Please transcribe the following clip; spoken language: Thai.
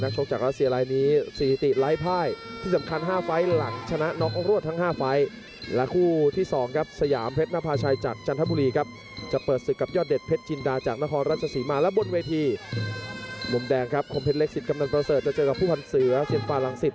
เจอกับผู้ผ่านสื่อเสียนฟาหลังศิษย์